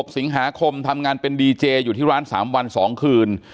สิงหาคมทำงานเป็นดีเจอยู่ที่ร้าน๓วัน๒คืน